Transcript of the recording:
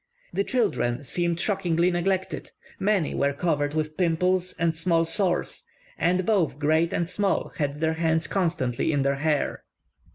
The children seemed shockingly neglected; many were covered with pimples and small sores; and both great and small had their hands constantly in their hair.